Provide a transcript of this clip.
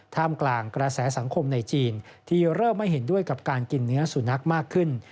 ท่ามกลางกระแสสังคมในจีนที่เริ่มไม่เห็นด้วยกับการกินเนื้อสุนัขมากขึ้น